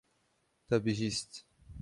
Te bihîst.